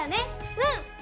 うん！